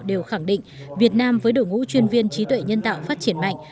đều khẳng định việt nam với đội ngũ chuyên viên trí tuệ nhân tạo phát triển mạnh